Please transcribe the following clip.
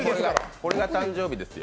これが誕生日ですよ。